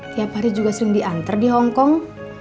tiap hari juga sering diantar di hongkong